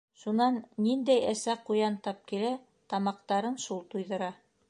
Шунан ниндәй әсә ҡуян тап килә, тамаҡтарын шул туйҙыра.